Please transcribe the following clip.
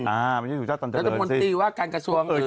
มันไม่ใช่สุชาติตรรงเจริญสิ